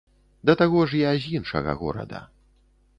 Да таго ж, я з іншага горада.